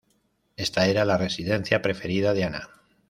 Esta era la residencia preferida de Ana.